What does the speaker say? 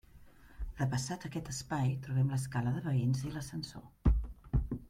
Depassat aquest espai trobem l'escala de veïns i l'ascensor.